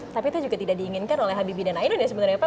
tapi itu juga tidak diinginkan oleh habibi dan ainun ya sebenarnya pak